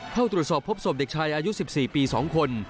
เข้าตรวจสอบพบศพเด็กชายอายุ๑๔ปี๒คน